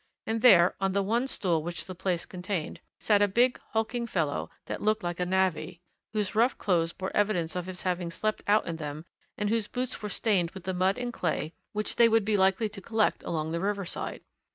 And there, on the one stool which the place contained, sat a big, hulking fellow that looked like a navvy, whose rough clothes bore evidence of his having slept out in them, and whose boots were stained with the mud and clay which they would be likely to collect along the riverside.